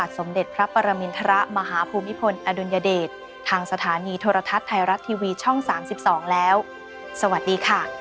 โปรดติดตามตอนต่อไป